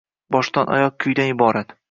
Boshdan oyoq kuydan iborat.